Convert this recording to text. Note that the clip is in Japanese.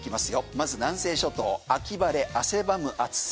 まず南西諸島秋晴れ、汗ばむ暑さ。